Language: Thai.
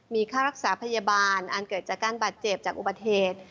มีค่ารักษาพยาบาลอันเกิดจากการบาดเจ็บจากอุบัติเหตุ